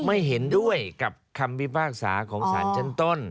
ไม่เห็นด้วยกับคำพิพากษาของสารชั้นต้น